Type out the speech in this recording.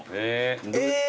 え！